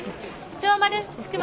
長丸福松。